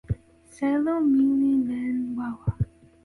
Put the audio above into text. selo mi li len wawa.